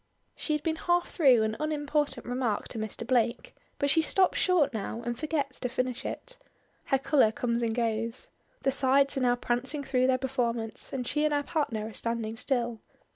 She had been half through an unimportant remark to Mr. Blake, but she stops short now and forgets to finish it. Her color comes and goes. The sides are now prancing through their performance, and she and her partner are standing still.